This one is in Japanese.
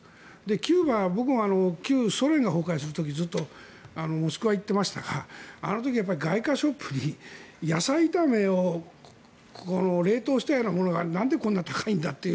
キューバは僕も旧ソ連が崩壊する時ずっとモスクワ行っていましたがあの時は外貨ショップに野菜炒めを冷凍したようなものがなんでこんな高いんだという。